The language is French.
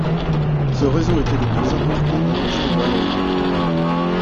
Ce réseau était le plus important en Région wallonne.